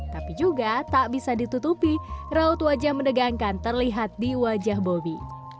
tapi juga tak bisa ditutupi raut wajah mendegangkan terlihat di wajah bobby